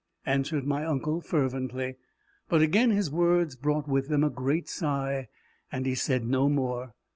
answered my uncle fervently; but again his words brought with them a great sigh, and he said no more.